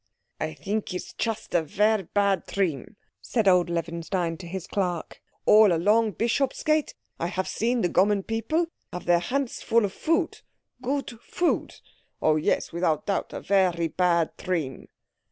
"I think it is chust a ver' bad tream," said old Levinstein to his clerk; "all along Bishopsgate I haf seen the gommon people have their hants full of food—goot food. Oh yes, without doubt a very bad tream!"